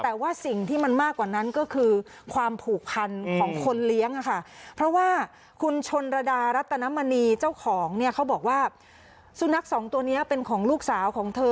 แต่ว่าสิ่งที่มันมากกว่านั้นก็คือความผูกคันของคนเลี้ยงค่ะ